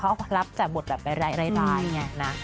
เขารับจากบทแบบร้ายอย่างเงี้ยนะ